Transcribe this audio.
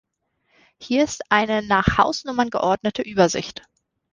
Hier ist eine nach Hausnummern geordnete Übersicht.